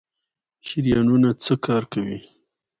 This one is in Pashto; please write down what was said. شریانونه څه کار کوي؟